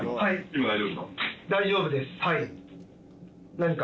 今大丈夫ですか？